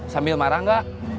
sambil marah gak